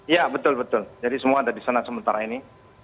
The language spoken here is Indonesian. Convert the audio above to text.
ya betul betul jadi semua ada di sana sementara ini